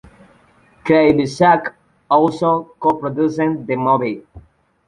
Kreviazuk also co-produced the movie.